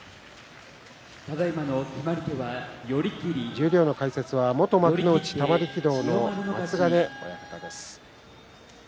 十両の解説は元幕内玉力道の松ヶ根親方です。